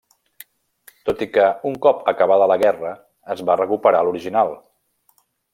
Tot i que, un cop acabada la guerra, es va recuperar l'original.